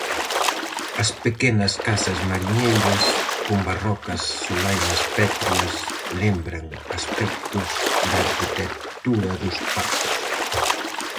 As pequenas casas mariñeiras, con barrocas solainas pétreas, lembran aspectos da arquitectura dos pazos.